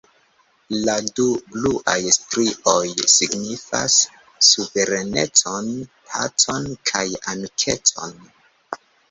La du bluaj strioj signifas suverenecon, pacon kaj amikecon.